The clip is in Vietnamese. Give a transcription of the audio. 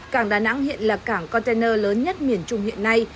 cảng đà nẵng hiện là cảng container lớn nhất miền trung hiện nay